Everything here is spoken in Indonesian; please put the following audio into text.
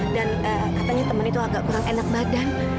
dan katanya teman itu agak kurang enak badan